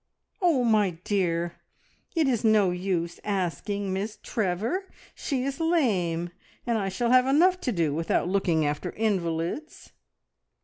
"Oh, my dear, it is no use asking Miss Trevor. She is lame, and I shall have enough to do without looking after invalids."